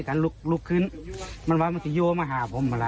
คุณขอบคุณนะฮะผมผมก็เรียกว่าไหวเปล่าได้เอกว่า